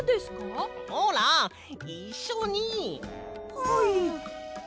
はい。